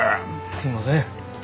すいません。